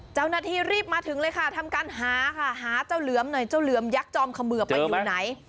เจ้าหน้าที่รีบมาถึงเลยค่ะทำการหาค่ะหาเจ้าเหลือมหน่อยเจ้าเหลือมยักษ์จอมเขมือบมาอยู่ไหน